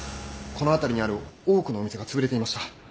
この辺りにある多くのお店がつぶれていました。